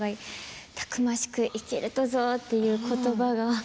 たくましく生きるとぞっていう言葉が。